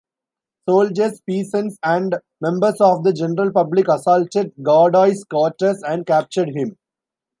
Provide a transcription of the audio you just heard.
Soldiers, peasants, and members of the general public assaulted Godoy's quarters and captured him.